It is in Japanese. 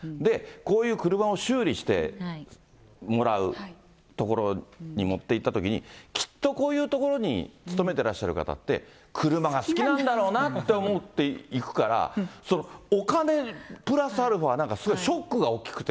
こういう車を修理してもらう所に持っていったときに、きっとこういう所に勤めてらっしゃる方って、車が好きなんだろうなって思っていくから、お金プラスアルファ、ショックが大きくて。